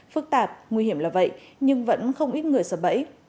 phức tạp nguy hiểm là vậy nhưng vẫn không ít người sợ bẫy